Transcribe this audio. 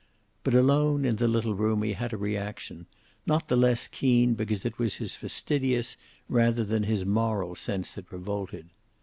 But alone in the little room he had a reaction, not the less keen because it was his fastidious rather than his moral sense that revolted.